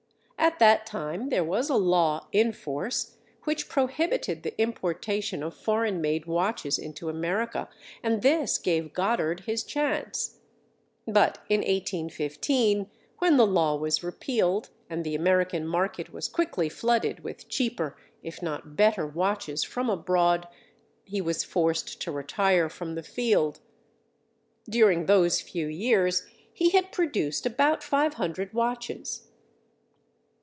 At that time, there was a law in force which prohibited the importation of foreign made watches into America and this gave Goddard his chance. But in 1815, when the law was repealed and the American market was quickly flooded with cheaper, if not better watches from abroad, he was forced to retire from the field. During those few years he had produced about five hundred watches.